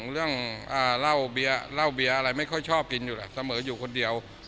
เล่าเบียร์อะไรไม่ค่อยชอบกินอยู่แหละเสมออยู่คนเดียว